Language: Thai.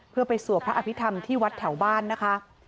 เพื่อไปสวดพระอภิษฐรรมที่วัดแถวบ้านนะคะ